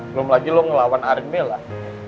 belum lagi lo ngelawan aritme lah